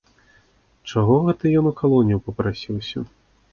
Чаго гэта ён у калонію папрасіўся?